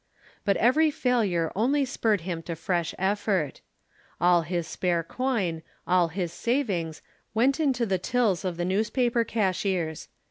But every failure only spurred him to fresh effort. All his spare coin, all his savings, went into the tills of the newspaper cashiers.